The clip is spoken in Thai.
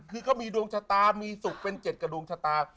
คือก็มีดวงชะตามีศุกร์เป็นเจ็ดกับดวงชะตา